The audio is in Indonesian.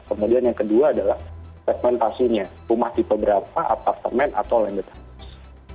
kemudian yang kedua adalah segmentasinya rumah tipe berapa apartemen atau landetabes